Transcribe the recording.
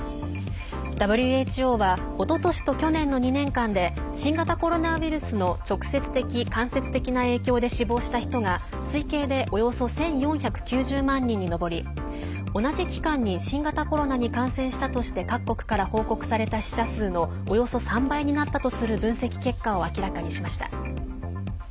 ＷＨＯはおととしと去年の２年間で新型コロナウイルスの直接的間接的な影響で死亡した人が推計でおよそ１４９０万人に上り同じ期間に新型コロナに感染したとして各国から報告された死者数のおよそ３倍になったとする分析結果を明らかにしました。